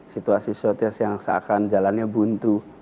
situasi situasi yang seakan jalannya buntu